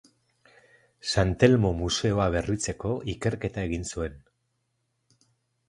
San Telmo Museoa berritzeko ikerketa egin zuen.